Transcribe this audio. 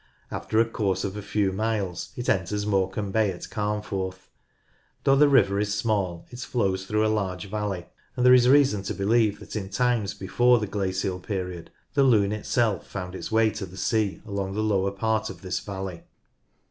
After a course of a few miles it enters Morecambe Bay at Carnforth. Though the river is small, it flows through a large valley, and there is reason to believe that in times before the glacial period the Lune itself round its way to the sea along the lower part of this valley.